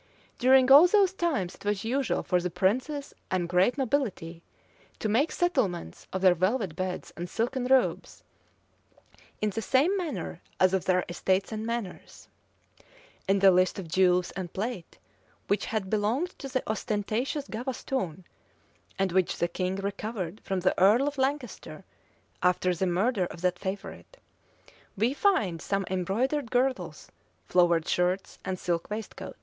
During all those times it was usual for the princes and great nobility to make settlements of their velvet beds and silken robes, in the same manner as of their estates and manors.[] In the list of jewels and plate which had belonged to the ostentatious Gavaston, and which the king recovered from the earl of Lancaster after the murder of that favorite, we find some embroidered girdles, flowered shirts, and silk waistcoats.